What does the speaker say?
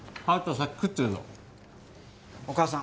先食ってるぞお母さん